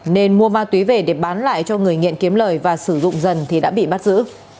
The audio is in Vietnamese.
nên mua ma túy về để bán lại cho người nghiện kiếm lời và sử dụng dần thì đã bị bắt giữ